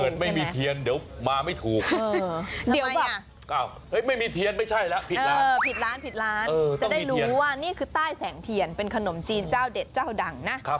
เกิดไม่มีเทียนเดี๋ยวมาไม่ถูกไม่มีเทียนไม่ใช่แล้วผิดร้านจะได้รู้ว่านี่คือใต้แสงเทียนเป็นขนมจีนเจ้าเด็ดเจ้าดังนะ